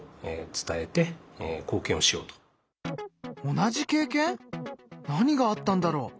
同じ経験！？何があったんだろう？